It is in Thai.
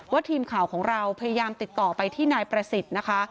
ทีมข่าวของเราพยายามติดต่อไปที่นายประสิทธิ์นะคะ